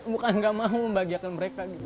bukan gak mau membahagiakan mereka gitu